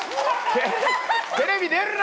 テレビ出るな！